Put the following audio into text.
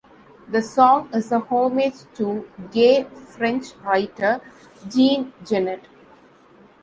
The song is a homage to gay French writer Jean Genet.